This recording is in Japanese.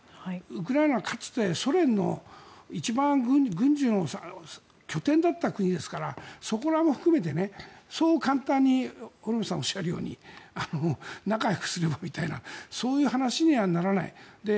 ウクライナはかつてソ連の一番軍事の拠点だった国ですからそこも含めて、そう簡単に堀本さんが言うように仲よくすればみたいなそういう話にはならない。